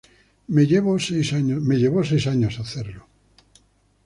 Me llevó seis años hacerlo".